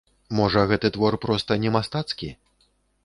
Можа гэты твор проста не мастацкі?